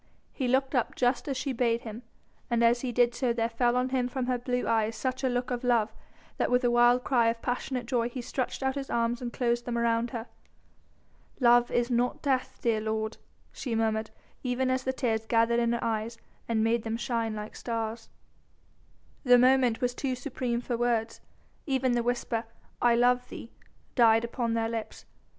He looked up just as she bade him, and as he did so there fell on him from her blue eyes such a look of love, that with a wild cry of passionate joy he stretched out his arms and closed them around her. "Love is not death, dear lord," she murmured, even as the tears gathered in her eyes and made them shine like stars. The moment was too supreme for words. Even the whisper, "I love thee!" died upon their lips.